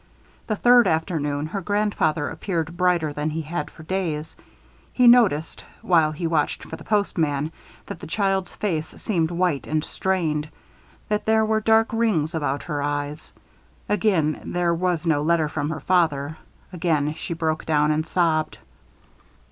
The third afternoon, her grandfather appeared brighter than he had for days. He noticed, while she watched for the postman, that the child's face seemed white and strained, that there were dark rings about her eyes. Again there was no letter from her father. Again she broke down and sobbed.